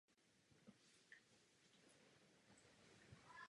Život a osud ruské emigrace bylo hlavní téma jejích próz.